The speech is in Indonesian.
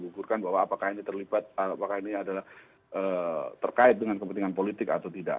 mengukurkan bahwa apakah ini terlibat apakah ini adalah terkait dengan kepentingan politik atau tidak